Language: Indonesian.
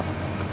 terima kasih om